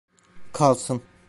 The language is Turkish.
Kalsın.